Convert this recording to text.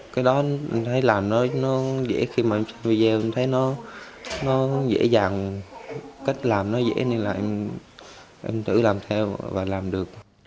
cái đó em thấy làm nó dễ khi mà em xem video em thấy nó dễ dàng cách làm nó dễ nên là em tự làm theo và làm được